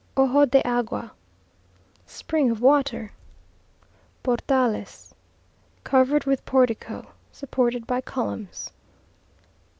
Ojo de Agua Spring of water. Portales Covered portico supported by columns.